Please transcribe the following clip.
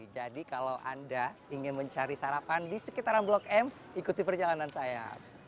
jadi kalau anda ingin mencari sarapan di sekitar blok m ikuti perjalanan saya